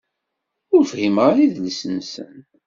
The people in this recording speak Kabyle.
Ur fhimeɣ ara idles-nsen.